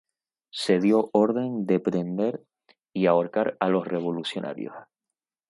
Se dio orden de prender y ahorcar a los revolucionarios.